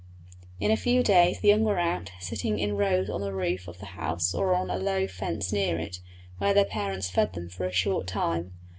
In a few days the young were out, sitting in rows on the roof of the house or on a low fence near it, where their parents fed them for a short time.